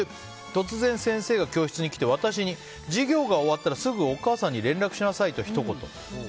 突然、先生が教室に来て渡しに授業が終わったらすぐお母さんに連絡しなさいとひと言。